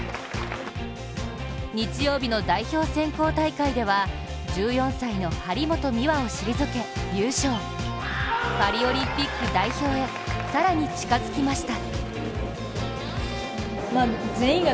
日曜日の代表選考大会では１４歳の張本美和を退け優勝！パリオリンピック代表へ更に近づきました。